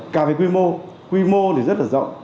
cả về quy mô quy mô thì rất là rộng